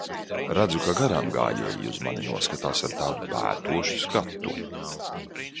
Redzu, kā garāmgājēji uz mani noskatās ar tādu pētošu skatu.